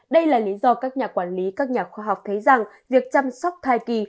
đây là lý do các nhà quản lý các nhà khoa học thấy rằng việc chăm sóc thai kỳ